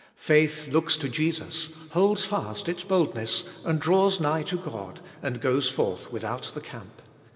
Faith looks to Jesus, holds fast its boldness, and draws nigh to God, and goes forth without the camp.